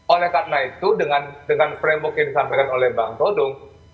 oleh karena itu dengan framework yang disampaikan oleh bang todo